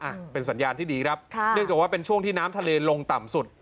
อ่ะเป็นสัญญาณที่ดีครับค่ะเนื่องจากว่าเป็นช่วงที่น้ำทะเลลงต่ำสุด